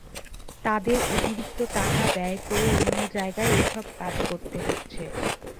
তাঁদের অতিরিক্ত টাকা ব্যয় করে অন্য জায়গায় এসব কাজ করতে হচ্ছে।